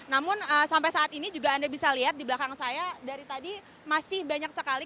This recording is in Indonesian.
namun sampai saat ini juga anda bisa lihat di belakang saya dari tadi masih banyak sekali